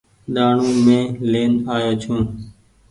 ڏآڻو مين لين آيو ڇون ۔